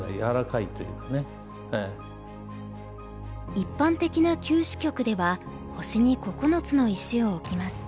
一般的な９子局では星に９つの石を置きます。